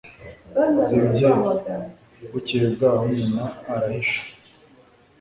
ibye. bukeye bwaho, nyina arahisha